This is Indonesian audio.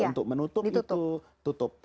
untuk menutup itu tutup